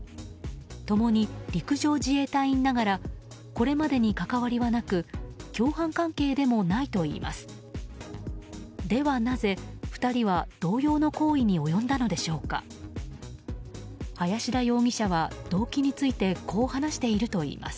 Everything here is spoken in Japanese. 共に陸上自衛隊員ながらこれまでに関わりはなく共犯関係でもないといいます。